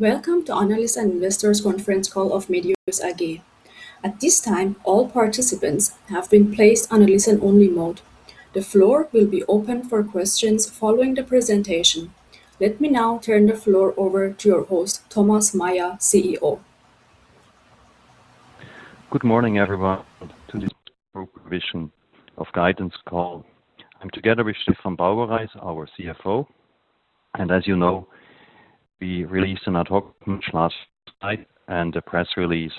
Welcome to analyst and investors conference call of Medios AG. At this time, all participants have been placed on a listen-only mode. The floor will be open for questions following the presentation. Let me now turn the floor over to your host, Thomas Meier, CEO. Good morning everyone to this revision of guidance call. I'm together with Stefan Bauerreis, our CFO. As you know, we released an ad hoc last night and a press release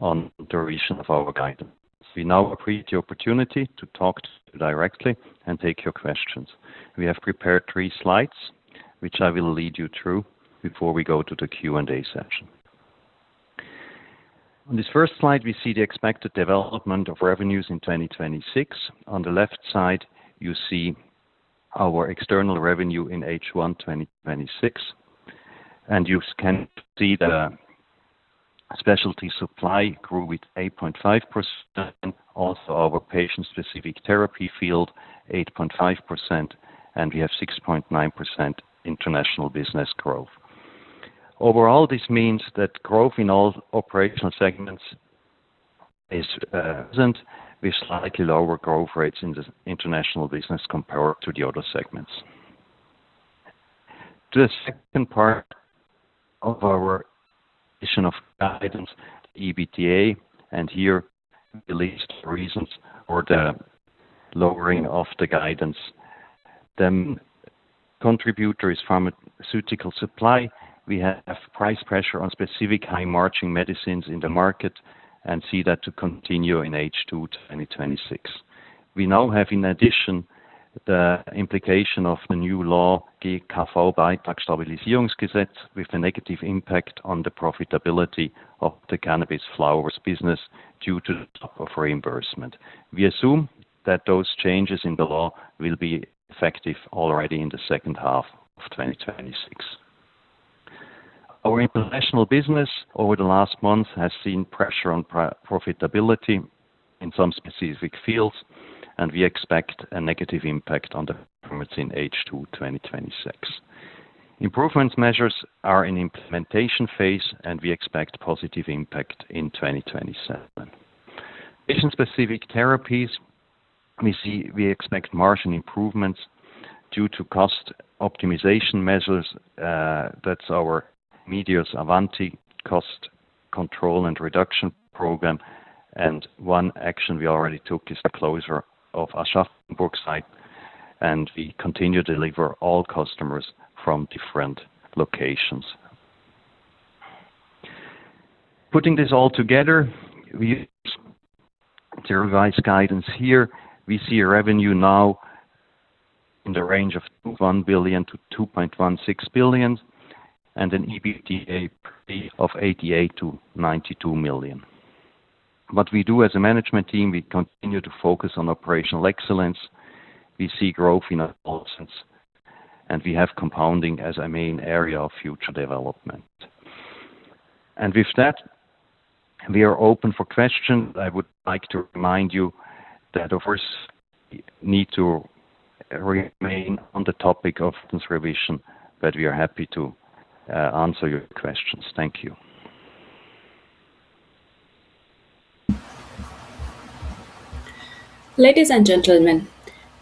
on the revision of our guidance. We now appreciate the opportunity to talk to you directly and take your questions. We have prepared three slides, which I will lead you through before we go to the Q&A session. On this first slide, we see the expected development of revenues in 2026. On the left side, you see our external revenue in H1 2026. You can see the specialty supply grew with 8.5%. Also our patient-specific therapy field, 8.5%. We have 6.9% international business growth. Overall, this means that growth in all operational segments is present with slightly lower growth rates in the international business compared to the other segments. To the second part of our revision of guidance, the EBITDA. Here we list the reasons for the lowering of the guidance. The contributor is pharmaceutical supply. We have price pressure on specific high-margining medicines in the market and see that to continue in H2 2026. We now have, in addition, the implication of the new law, GKV-Beitragssatzstabilisierungsgesetz, with a negative impact on the profitability of the cannabis flowers business due to the type of reimbursement. We assume that those changes in the law will be effective already in the second half of 2026. Our international business over the last month has seen pressure on profitability in some specific fields. We expect a negative impact on the performance in H2 2026. Improvement measures are in implementation phase. We expect positive impact in 2027. Patient-specific therapies, we expect margin improvements due to cost optimization measures. That's our Avanti-Medios cost control and reduction program. One action we already took is the closure of Aschaffenburg site. We continue to deliver all customers from different locations. Putting this all together, we revise guidance here. We see a revenue now in the range of 2.1 billion-2.16 billion. An EBITDA of 88 million-92 million. What we do as a management team, we continue to focus on operational excellence. We see growth in our margins. We have compounding as a main area of future development. With that, we are open for questions. I would like to remind you that, of course, we need to remain on the topic of this revision. We are happy to answer your questions. Thank you. Ladies and gentlemen,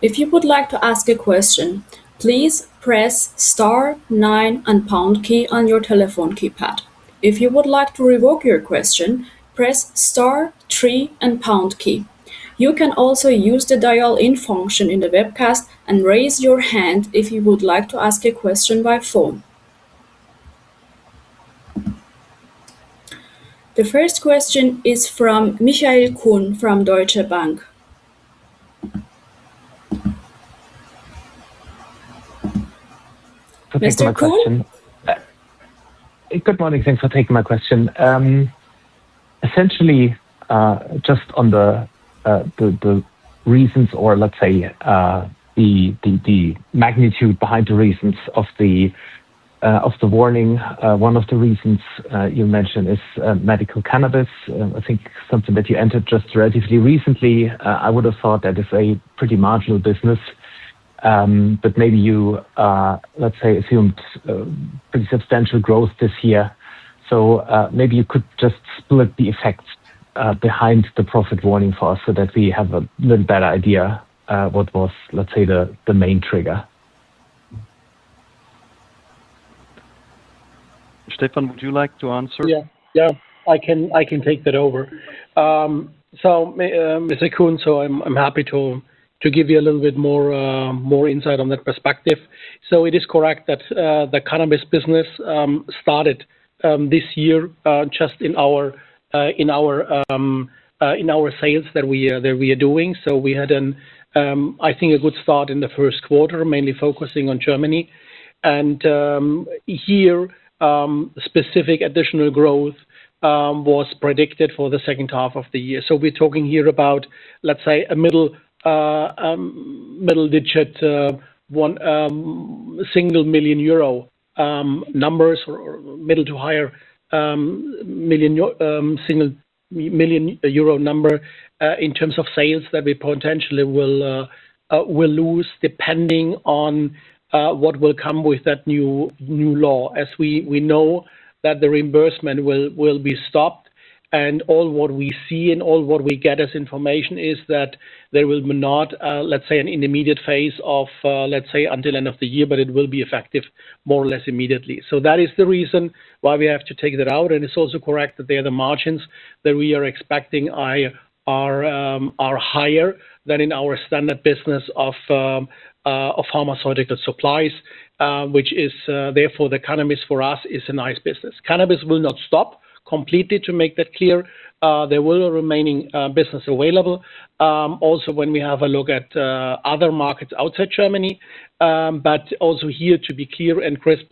if you would like to ask a question, please press star nine and pound key on your telephone keypad. If you would like to revoke your question, press star three and pound key. You can also use the dial-in function in the webcast and raise your hand if you would like to ask a question by phone. The first question is from Michael Kuhn from Deutsche Bank. Mr. Kuhn. Thanks for taking my question. Good morning. Thanks for taking my question. Essentially, just on the reasons or, let's say, the magnitude behind the reasons of the warning. One of the reasons you mentioned is medical cannabis. I think something that you entered just relatively recently. I would have thought that is a pretty marginal business. Maybe you, let's say, assumed pretty substantial growth this year. Maybe you could just split the effects behind the profit warning for us so that we have a little better idea what was, let's say, the main trigger. Stefan, would you like to answer? Yeah. I can take that over. Mr. Kuhn, I'm happy to give you a little bit more insight on that perspective. It is correct that the cannabis business started this year just in our sales that we are doing. We had, I think, a good start in the first quarter, mainly focusing on Germany. Here, specific additional growth was predicted for the second half of the year. We're talking here about, let's say a middle digit, one single million euro numbers or middle to higher single million euro number in terms of sales that we potentially will lose depending on what will come with that new law. We know that the reimbursement will be stopped. All what we see and all what we get as information is that there will not an intermediate phase of until end of the year, but it will be effective more or less immediately. That is the reason why we have to take that out. It's also correct that they are the margins that we are expecting are higher than in our standard business of pharmaceutical supplies, which is, therefore, the cannabis for us is a nice business. Cannabis will not stop completely, to make that clear. There will remaining business available. When we have a look at other markets outside Germany. Also here, to be clear and crisp,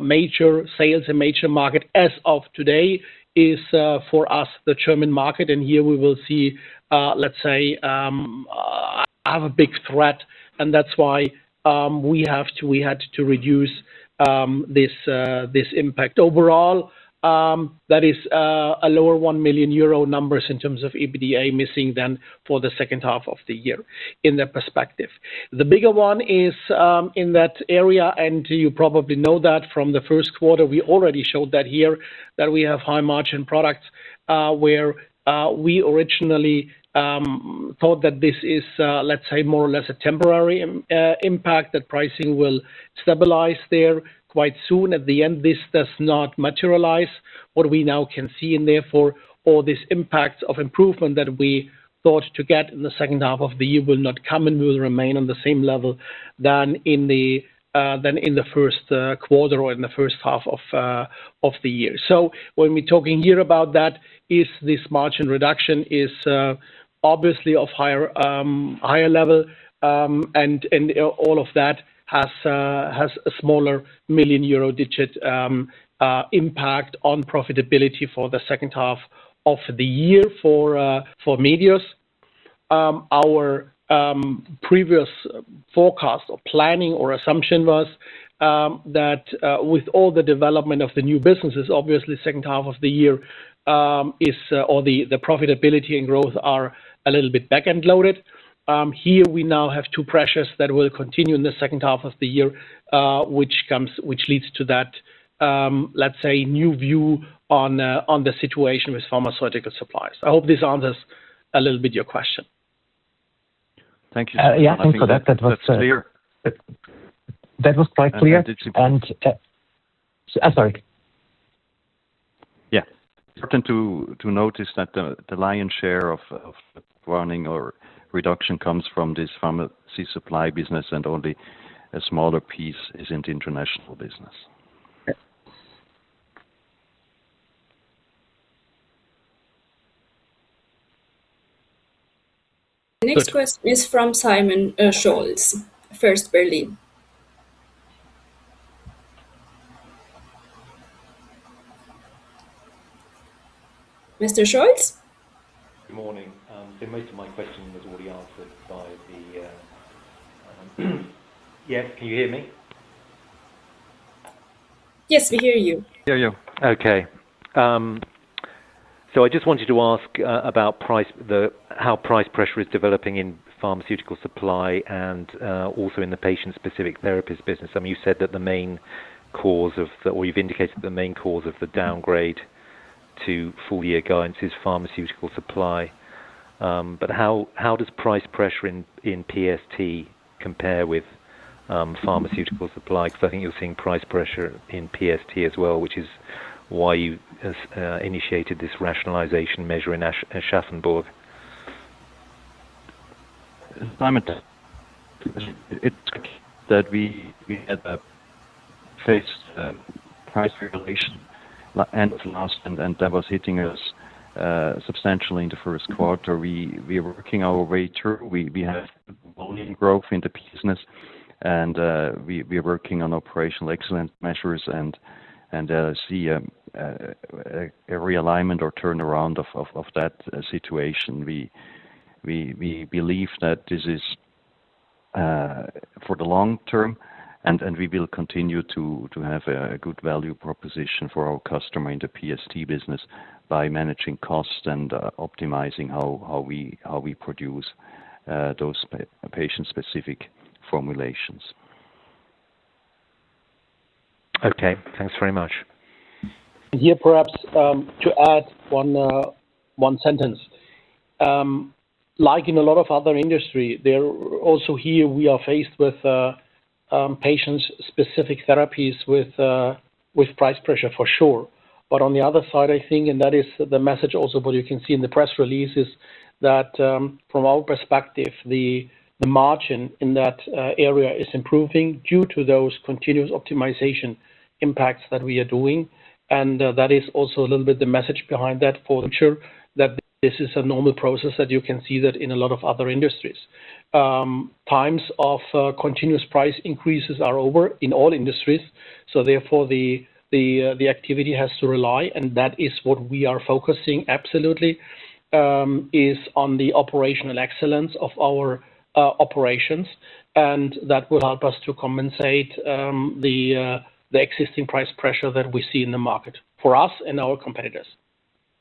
major sales and major market as of today is, for us, the German market. Here we will see have a big threat and that's why we had to reduce this impact. Overall, that is a lower 1 million euro numbers in terms of EBITDA missing than for the second half of the year in the perspective. The bigger one is in that area, and you probably know that from the first quarter, we already showed that here, that we have high-margin products, where we originally thought that this is more or less a temporary impact, that pricing will stabilize there quite soon. At the end, this does not materialize. What we now can see and therefore, all this impact of improvement that we thought to get in the second half of the year will not come and will remain on the same level than in the first quarter or in the first half of the year. When we're talking here about that is this margin reduction is obviously of higher level, and all of that has a smaller 1 million euro digit impact on profitability for the second half of the year for Medios. Our previous forecast or planning or assumption was that with all the development of the new businesses, obviously second half of the year is all the profitability and growth are a little bit back-end loaded. Here we now have two pressures that will continue in the second half of the year, which leads to that new view on the situation with pharmaceutical supplies. I hope this answers a little bit your question. Thank you. Yeah, I think that. That's clear. That was quite clear. I. Sorry. Important to notice that the lion's share of warning or reduction comes from this pharmacy supply business and only a smaller piece is in the international business. Yeah. The next question is from Simon Scholz, First Berlin. Mr. Scholz? Good morning. Most of my question was already answered by the. Can you hear me? Yes, we hear you. Hear you. I just wanted to ask about how price pressure is developing in pharmaceutical supply and also in the patient-specific therapies business. You said that the main cause of, or you've indicated the main cause of the downgrade to full-year guidance is pharmaceutical supply. But how does price pressure in PST compare with pharmaceutical supply? Because I think you're seeing price pressure in PST as well, which is why you initiated this rationalization measure in Aschaffenburg. Simon, it's that we had faced price regulation end of last and that was hitting us substantially in the first quarter. We are working our way through. We have volume growth in the business and we are working on operational excellence measures and see a realignment or turnaround of that situation. We believe that this is for the long term, and we will continue to have a good value proposition for our customer in the PST business by managing costs and optimizing how we produce those patient-specific formulations. Okay. Thanks very much. Yeah, perhaps, to add one sentence. Like in a lot of other industry, also here we are faced with patient-specific therapies with price pressure for sure. On the other side, I think, and that is the message also what you can see in the press release is that, from our perspective, the margin in that area is improving due to those continuous optimization impacts that we are doing. That is also a little bit the message behind that for the future, that this is a normal process that you can see that in a lot of other industries. Times of continuous price increases are over in all industries, therefore the activity has to rely, and that is what we are focusing absolutely, is on the operational excellence of our operations, and that will help us to compensate the existing price pressure that we see in the market for us and our competitors.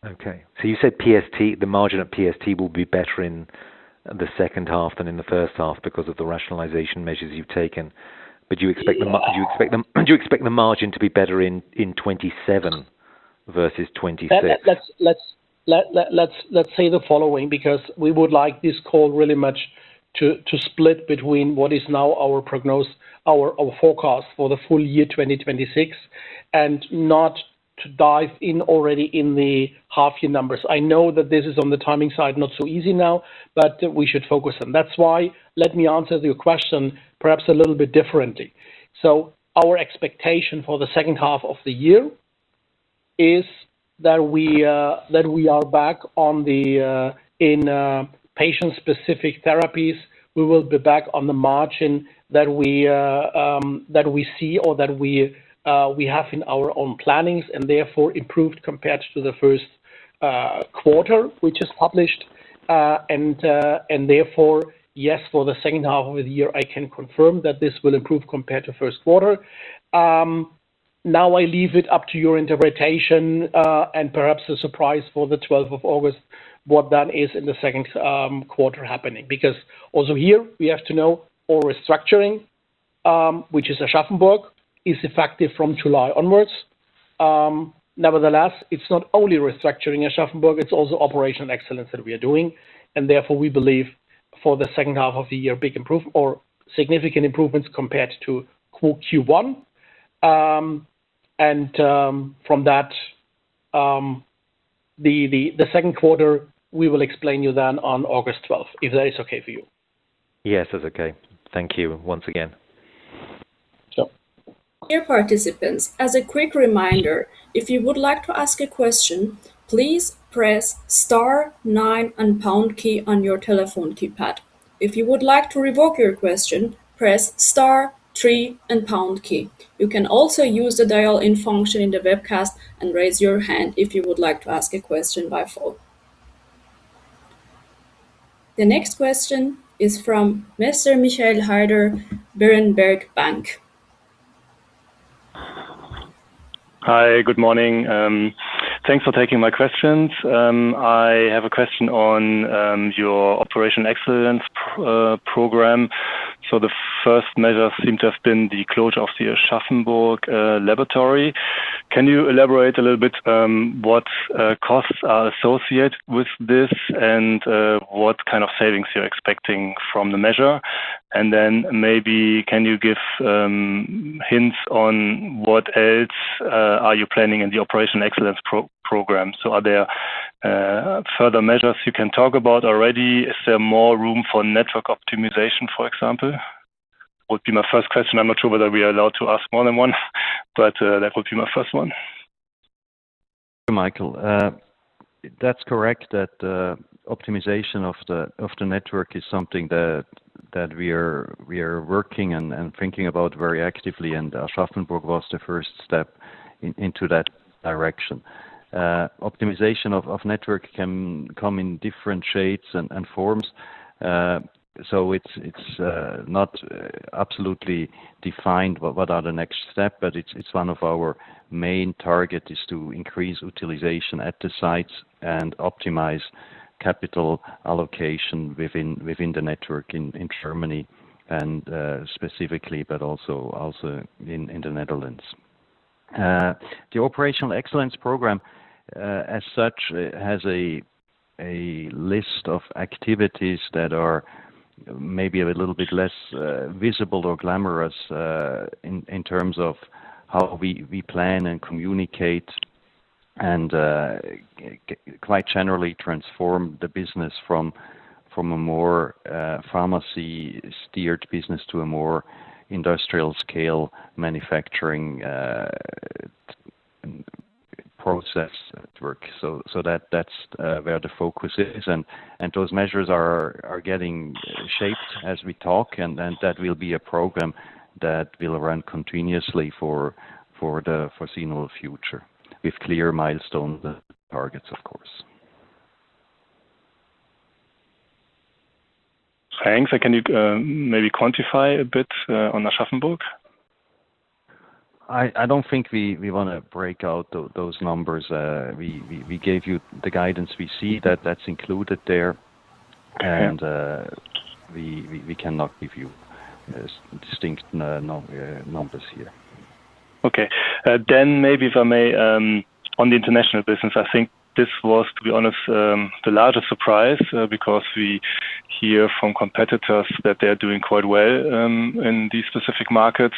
Okay. You said PST, the margin of PST will be better in the second half than in the first half because of the rationalization measures you've taken. Do you expect the margin to be better in 2027 versus 2026? Let's say the following, because we would like this call really much to split between what is now our forecast for the full year 2026, not to dive in already in the half-year numbers. I know that this is on the timing side, not so easy now, but we should focus. That's why let me answer your question perhaps a little bit differently. Our expectation for the second half of the year is that we are back in patient-specific therapies. We will be back on the margin that we see or that we have in our own plannings, and therefore improved compared to the first quarter, which is published. Therefore, yes, for the second half of the year, I can confirm that this will improve compared to first quarter. Now I leave it up to your interpretation, and perhaps a surprise for the August 12th, what then is in the second quarter happening. Also here we have to know our restructuring, which is Aschaffenburg, is effective from July onwards. Nevertheless, it's not only restructuring Aschaffenburg, it's also operational excellence that we are doing. Therefore, we believe for the second half of the year, significant improvements compared to Q1. From that, the second quarter, we will explain you then on August 12th, if that is okay for you. Yes, that's okay. Thank you once again. Sure. Dear participants, as a quick reminder, if you would like to ask a question, please press star nine and pound key on your telephone keypad. If you would like to revoke your question, press star three and pound key. You can also use the dial-in function in the webcast and raise your hand if you would like to ask a question by phone. The next question is from Mr. Michael Heider, Berenberg Bank. Hi. Good morning. Thanks for taking my questions. I have a question on your Operation Excellence Program. The first measure seems to have been the closure of the Aschaffenburg laboratory. Can you elaborate a little bit, what costs are associated with this, and what kind of savings you're expecting from the measure? Then maybe, can you give hints on what else are you planning in the Operation Excellence Program? Are there further measures you can talk about already? Is there more room for network optimization, for example? Would be my first question. I'm not sure whether we are allowed to ask more than one, but that would be my first one. Michael. That's correct that optimization of the network is something that we are working and thinking about very actively, Aschaffenburg was the first step into that direction. Optimization of network can come in different shapes and forms. It's not absolutely defined what are the next step, but it's one of our main target is to increase utilization at the sites and optimize capital allocation within the network in Germany and specifically, but also in the Netherlands. The Operational Excellence Program, as such, has a list of activities that are maybe a little bit less visible or glamorous, in terms of how we plan and communicate and quite generally transform the business from a more pharmacy-steered business to a more industrial-scale manufacturing process network. That's where the focus is. Those measures are getting shaped as we talk, and that will be a program that will run continuously for the foreseeable future, with clear milestones and targets, of course. Thanks. Can you maybe quantify a bit on Aschaffenburg? I don't think we want to break out those numbers. We gave you the guidance we see that that's included there. Okay We cannot give you distinct numbers here. Okay. Maybe if I may, on the international business, I think this was, to be honest, the largest surprise because we hear from competitors that they're doing quite well in these specific markets.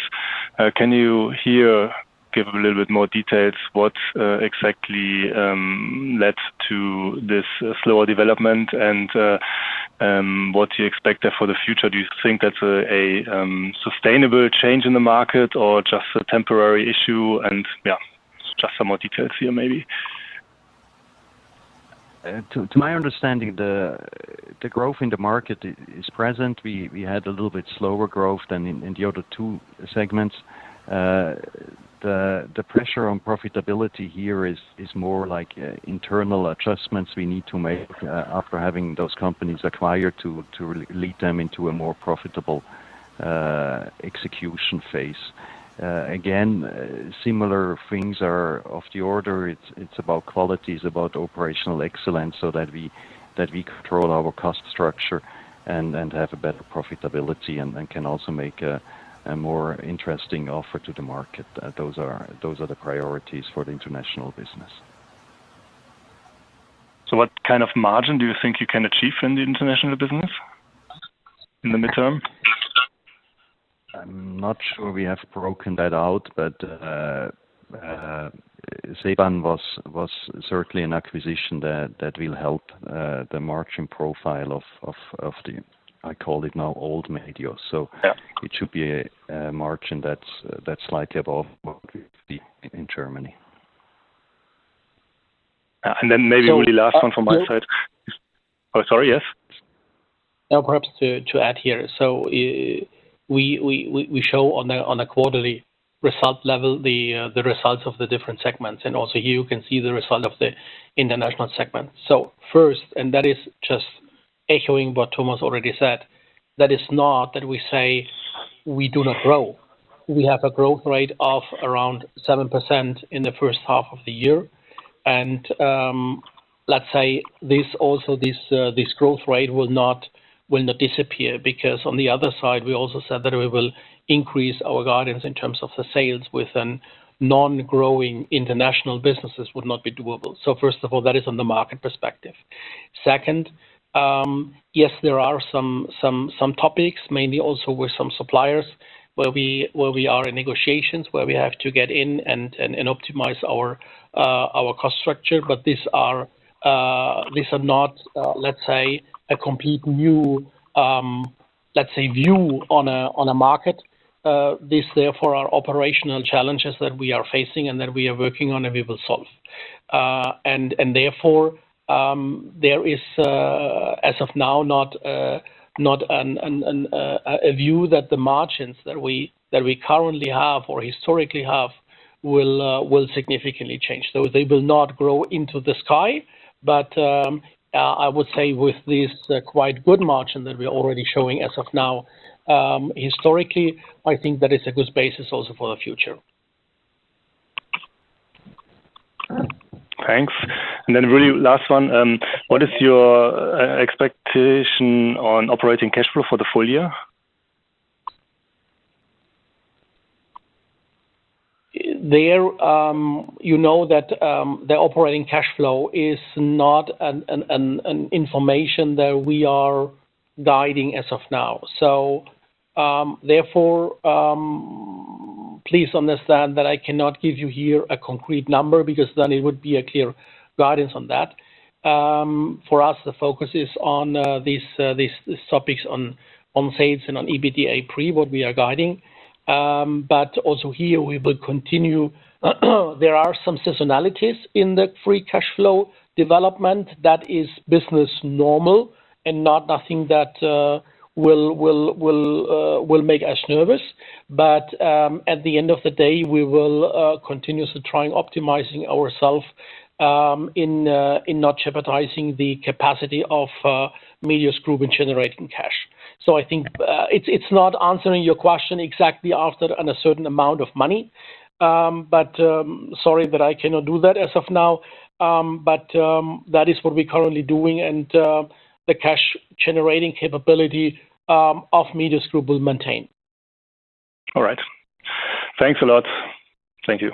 Can you here give a little bit more details what exactly led to this slower development and what you expect there for the future? Do you think that's a sustainable change in the market or just a temporary issue? Yeah, just some more details here maybe. To my understanding, the growth in the market is present. We had a little bit slower growth than in the other two segments. The pressure on profitability here is more like internal adjustments we need to make after having those companies acquired to lead them into a more profitable execution phase. Again, similar things are of the order. It's about quality, it's about operational excellence, so that we control our cost structure and have a better profitability and can also make a more interesting offer to the market. Those are the priorities for the international business. What kind of margin do you think you can achieve in the international business in the midterm? I'm not sure we have broken that out, Ceban was certainly an acquisition that will help the margin profile of the, I call it now, old Medios. Yeah. It should be a margin that's slightly above what we see in Germany. Maybe really last one from my side. Oh, sorry. Yes. Now, perhaps to add here. We show on a quarterly result level the results of the different segments, and also you can see the result of the international segment. First, that is just echoing what Thomas already said, that is not that we say we do not grow. We have a growth rate of around 7% in the first half of the year. Let's say this growth rate will not disappear because on the other side, we also said that we will increase our guidance in terms of the sales with a non-growing international businesses would not be doable. First of all, that is on the market perspective. Second, yes, there are some topics, mainly also with some suppliers, where we are in negotiations, where we have to get in and optimize our cost structure. These are not, let's say, a complete new view on a market. These therefore are operational challenges that we are facing and that we are working on and we will solve. Therefore, there is, as of now, not a view that the margins that we currently have or historically have will significantly change. They will not grow into the sky. I would say with this quite good margin that we are already showing as of now, historically, I think that is a good basis also for the future. Thanks. Then really last one, what is your expectation on operating cash flow for the full year? You know that the operating cash flow is not an information that we are guiding as of now. Therefore, please understand that I cannot give you here a concrete number because then it would be a clear guidance on that. For us, the focus is on these topics on sales and on EBITDA pre, what we are guiding. Also here we will continue. There are some seasonalities in the free cash flow development that is business as normal and nothing that will make us nervous. At the end of the day, we will continuously try optimizing ourself in not jeopardizing the capacity of Medios Group in generating cash. I think it's not answering your question exactly after on a certain amount of money. Sorry, but I cannot do that as of now. That is what we're currently doing and the cash generating capability of Medios Group will maintain. All right. Thanks a lot. Thank you. Thank you.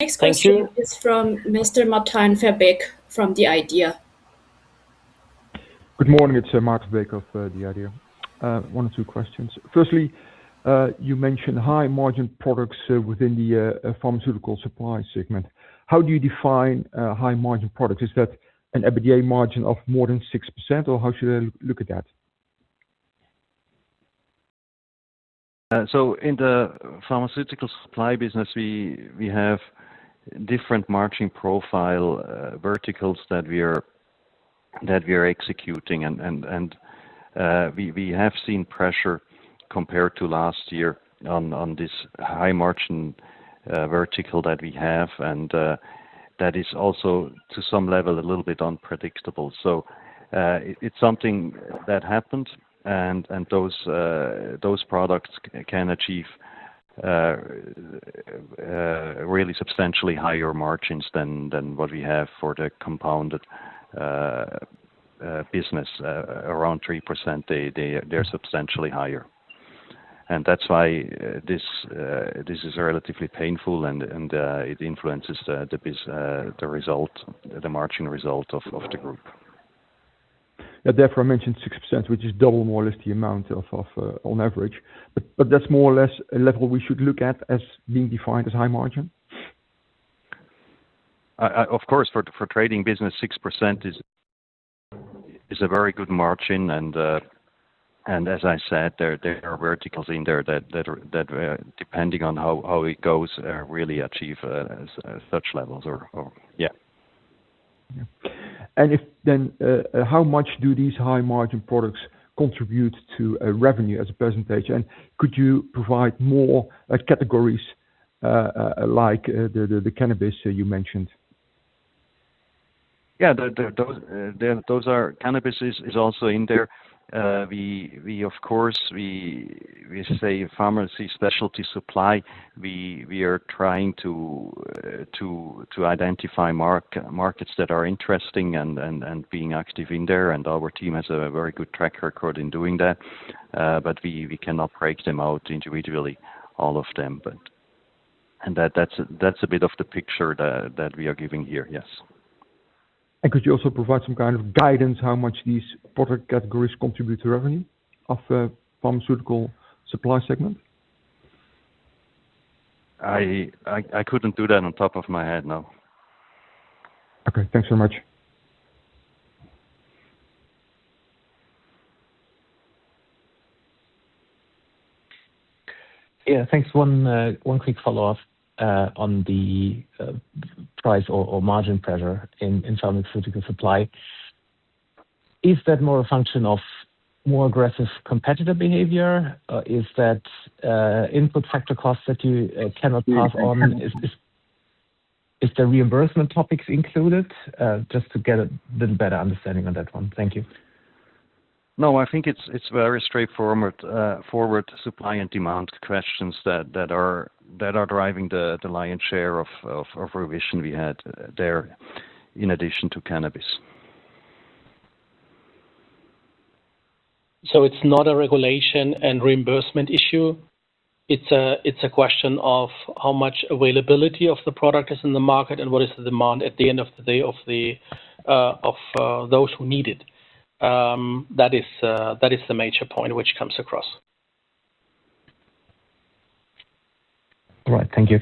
Next question is from Mr. Maarten Verbeek from The IDEA!. Good morning. It's Maarten Verbeek of The IDEA!. One or two questions. Firstly, you mentioned high margin products within the pharmaceutical supply segment. How do you define high margin products? Is that an EBITDA margin of more than 6% or how should I look at that? In the pharmaceutical supply business, we have different margin profile verticals that we are executing and we have seen pressure compared to last year on this high margin vertical that we have. That is also to some level a little bit unpredictable. It's something that happened and those products can achieve really substantially higher margins than what we have for the compounded business, around 3%. They're substantially higher. That's why this is relatively painful and it influences the margin result of the group. Yeah, therefore I mentioned 6%, which is double more or less the amount on average. That's more or less a level we should look at as being defined as high margin? Of course, for trading business, 6% is a very good margin and as I said, there are verticals in there that depending on how it goes, really achieve such levels. Yeah. If then, how much do these high margin products contribute to revenue as a percentage? Could you provide more categories like the cannabis you mentioned? Yeah, cannabis is also in there. Of course, we say pharmacy specialty supply. We are trying to identify markets that are interesting and being active in there, our team has a very good track record in doing that. We cannot break them out individually, all of them. That's a bit of the picture that we are giving here. Yes. Could you also provide some kind of guidance how much these product categories contribute to revenue of the pharmaceutical supply segment? I couldn't do that on top of my head, no. Okay. Thanks so much. Yeah, thanks. One quick follow-up on the price or margin pressure in pharmaceutical supply. Is that more a function of more aggressive competitor behavior? Is that input factor costs that you cannot pass on? Is the reimbursement topics included? Just to get a little better understanding on that one. Thank you. No, I think it's very straightforward supply and demand questions that are driving the lion's share of revision we had there, in addition to cannabis. It's not a regulation and reimbursement issue. It's a question of how much availability of the product is in the market, and what is the demand at the end of the day of those who need it. That is the major point which comes across. Right. Thank you.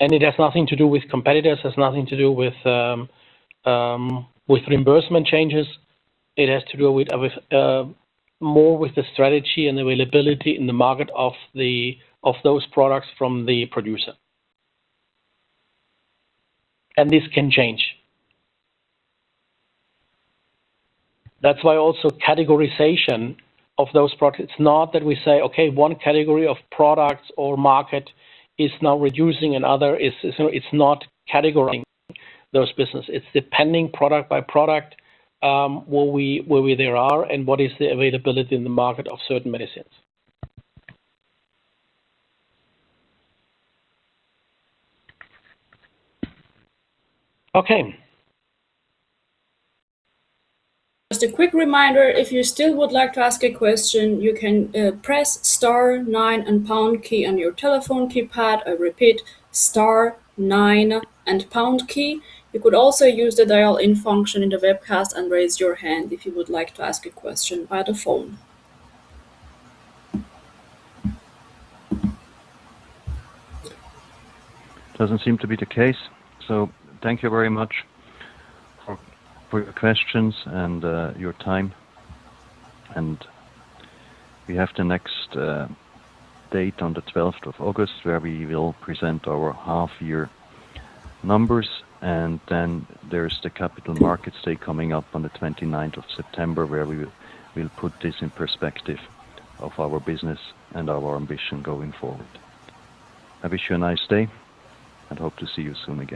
It has nothing to do with competitors, has nothing to do with reimbursement changes. It has to do more with the strategy and availability in the market of those products from the producer. This can change. That's why also categorization of those products, it's not that we say, "Okay, one category of products or market is now reducing another." It's not categorizing those business. It's depending product by product, where we there are, and what is the availability in the market of certain medicines. Okay. Just a quick reminder, if you still would like to ask a question, you can press star nine and pound key on your telephone keypad. I repeat, star nine and pound key. You could also use the dial-in function in the webcast and raise your hand if you would like to ask a question via the phone. Doesn't seem to be the case. Thank you very much for your questions and your time. We have the next date on the 12th of August where we will present our half-year numbers. Then there's the Capital Markets Day coming up on the 29th of September, where we'll put this in perspective of our business and our ambition going forward. I wish you a nice day, and hope to see you soon again.